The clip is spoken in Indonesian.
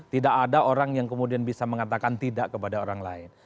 tidak ada orang yang kemudian bisa mengatakan tidak kepada orang lain